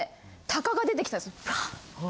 鷹が出てきたんですよ。